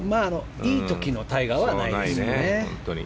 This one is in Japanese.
いい時のタイガーはないですね。